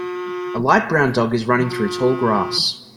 A light brown dog is running through tall grass.